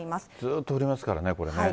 ずっと降りますからね、これね。